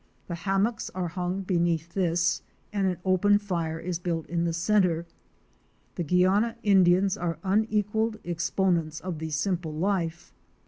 The hammocks are hung beneath this and an open fire is built in the centre. The Guiana Indians are unequalled exponents of the simple life.